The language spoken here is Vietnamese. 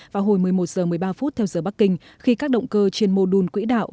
vào hồi một mươi một h một mươi ba phút theo giờ bắc kinh khi các động cơ trên mô đun quỹ đạo